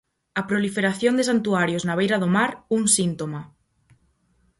A proliferación de santuarios na beira do mar, un síntoma.